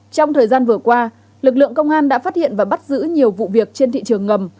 trong thời gian vừa qua lực lượng công an đã phát hiện và bắt giữ nhiều vụ việc trên thị trường ngầm